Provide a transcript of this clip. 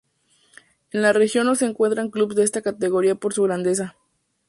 En la región no se encuentran clubes de estas categorías por su grandeza.